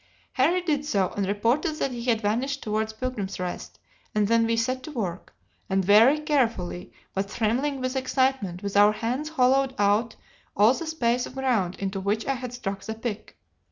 Harry did so, and reported that he had vanished towards Pilgrim's Rest, and then we set to work, and very carefully, but trembling with excitement, with our hands hollowed out all the space of ground into which I had struck the pick.